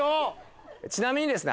ちなみにですね